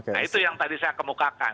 nah itu yang tadi saya kemukakan